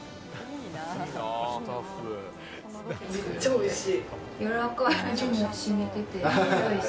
めっちゃ美味しい。